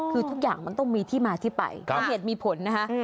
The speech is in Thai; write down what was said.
คือทุกอย่างมันต้องมีที่มาที่ไปมีเหตุมีผลนะคะ